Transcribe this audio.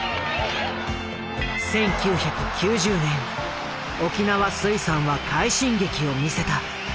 １９９０年沖縄水産は快進撃を見せた。